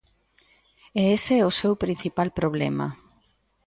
E ese é o seu principal problema.